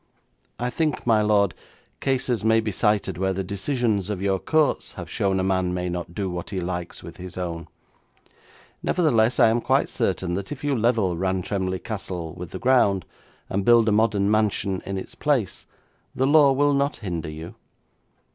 'I think, my lord, cases may be cited where the decisions of your courts have shown a man may not do what he likes with his own. Nevertheless, I am quite certain that if you level Rantremly Castle with the ground, and build a modern mansion in its place, the law will not hinder you.'